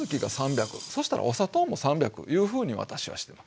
そしたらお砂糖も３００いうふうに私はしてる。